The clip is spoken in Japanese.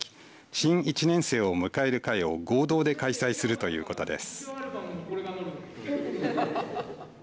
新一年生を迎える会を合同で開催するということです。